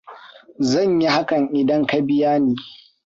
Zan yi hakan idan ka biya ni.